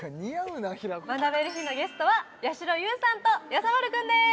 学べる日のゲストはやしろ優さんとやさ丸くんです